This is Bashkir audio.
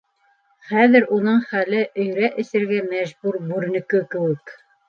Хәҙер уның хәле өйрә эсергә мәжбүр бүренеке кеүек.